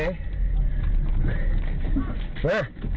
นะ